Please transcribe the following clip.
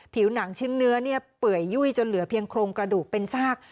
ผิวหนังชิ้นเนื้อเปื่อยยุ่ยจนเหลือเพียงโครงกระดูกเป็นซาก